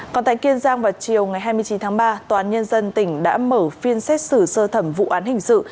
còn tại kiên giang vào chiều ngày hai mươi chín tháng ba tòa án nhân dân tỉnh đã mở phiên xét xử sơ thẩm vụ án hình sự